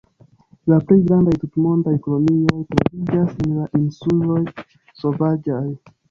La pli grandaj tutmondaj kolonioj troviĝas en la insuloj Sovaĝaj.